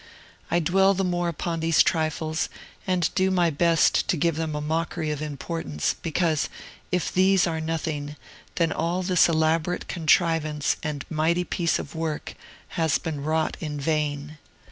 I dwell the more upon these trifles, and do my best to give them a mockery of importance, because, if these are nothing, then all this elaborate contrivance and mighty piece of work has been wrought in vain.